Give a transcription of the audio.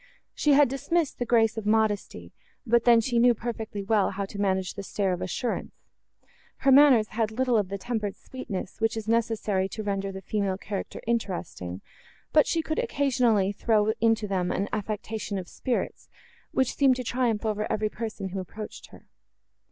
She had dismissed the grace of modesty, but then she knew perfectly well how to manage the stare of assurance; her manners had little of the tempered sweetness, which is necessary to render the female character interesting, but she could occasionally throw into them an affectation of spirits, which seemed to triumph over every person, who approached her.